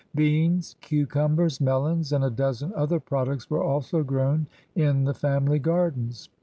Beans, cucumbers, melons, and a dozen other products were also grown in the family gardens.